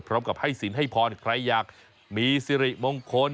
พร้อมกับให้สินให้พรใครอยากมีสิริมงคล